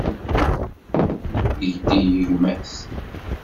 Yesdegdeg gma-s.